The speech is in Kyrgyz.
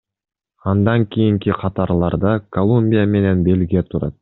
Андан кийинки катарларда Колумбия менен Бельгия турат.